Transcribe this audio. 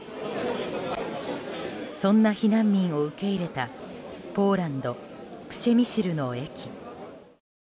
そんな避難民を受け入れたポーランド・プシェミシルの駅。